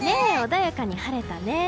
穏やかに晴れたね。